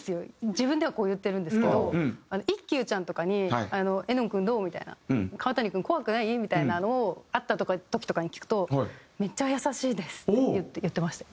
自分ではこう言ってるんですけどイッキュウちゃんとかに「絵音君どう？」みたいな「川谷君怖くない？」みたいなのを会った時とかに聞くと「めっちゃ優しいです！」って言ってましたよ。